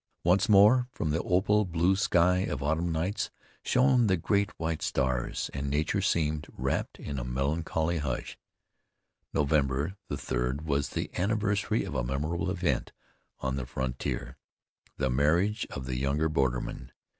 Once more from the opal blue sky of autumn nights, shone the great white stars, and nature seemed wrapped in a melancholy hush. November the third was the anniversary of a memorable event on the frontier the marriage of the younger borderman.